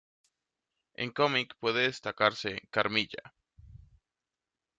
En cómic, puede destacarse "Carmilla.